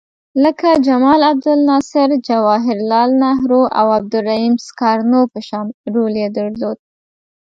لکه جمال عبدالناصر، جواهر لعل نهرو او عبدالرحیم سکارنو په شان رول یې درلود.